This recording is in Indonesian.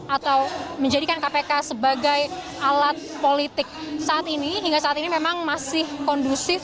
atau menjadikan kpk sebagai alat politik saat ini hingga saat ini memang masih kondusif